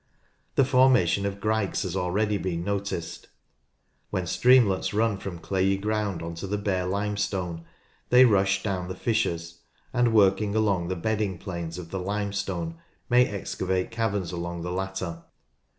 The formation of grikes has already been noticed. When streamlets run from clayey ground on to the bare limestone, they rush down the fissures, and working along the bedding planes of the limestone may excavate caverns along the latter.